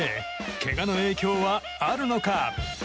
けがの影響はあるのか？